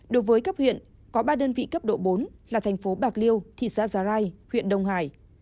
đối với cấp huyện có ba đơn vị cấp độ bốn là thành phố bạc liêu thị xã giá rai huyện đông hải